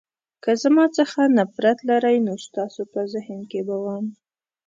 که زما څخه نفرت لرئ نو ستاسو په ذهن کې به وم.